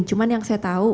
cuma yang saya tahu